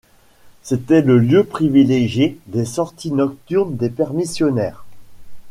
C'était le lieu privilégié des sorties nocturnes des permissionnaires.